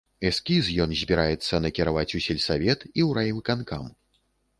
Эскіз ён збіраецца накіраваць у сельсавет і ў райвыканкам.